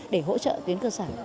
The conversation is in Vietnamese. để hỗ trợ tuyến cơ sở